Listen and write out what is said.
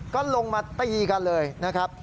ก็ลงมาตีกันเลยนะครับ